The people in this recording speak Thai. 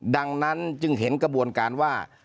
ดังนั้นจึงเห็นกระบวนการว่า